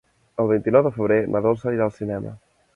El vint-i-nou de febrer na Dolça irà al cinema.